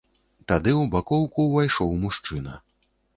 Тады ў бакоўку ўвайшоў мужчына.